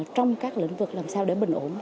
trong các lĩnh vực làm sao để bình ổn